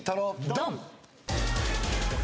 ドン！